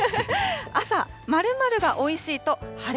朝〇〇がおいしいと晴れ。